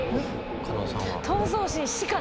加納さんは。